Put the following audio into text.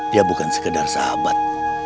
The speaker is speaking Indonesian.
dia bukan sekedar sahabat